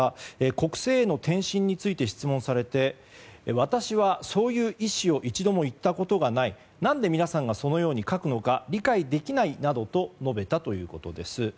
国政への転身について質問されて私はそういう意思を一度も言ったことがない何で皆さんがそのように書くのか理解できないなどと述べたということです。